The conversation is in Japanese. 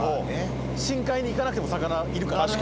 深海に行かなくても魚いるから。